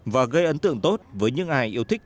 và gây ấn tượng tốt với những ai yêu thích